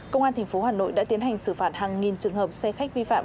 công an tp hà nội đã tiến hành xử phạt hàng nghìn trường hợp xe khách vi phạm